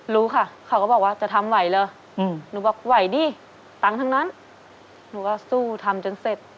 รู้ค่ะเขาก็บอกว่าจะทำไหวเหรอหนูบอกไหวดิตังค์ทั้งนั้นหนูก็สู้ทำจนเสร็จ